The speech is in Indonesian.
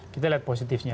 kita lihat positifnya